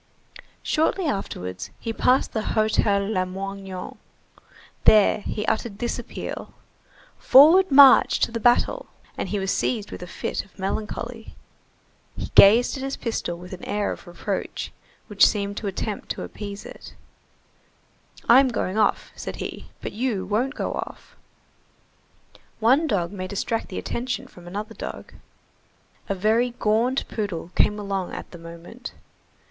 Shortly afterwards, he passed the Hotel Lamoignon. There he uttered this appeal:— "Forward march to the battle!" And he was seized with a fit of melancholy. He gazed at his pistol with an air of reproach which seemed an attempt to appease it:— "I'm going off," said he, "but you won't go off!" One dog may distract the attention from another dog.45 A very gaunt poodle came along at the moment.